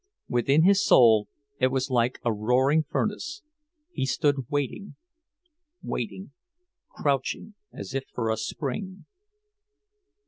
Within his soul it was like a roaring furnace; he stood waiting, waiting, crouching as if for a spring.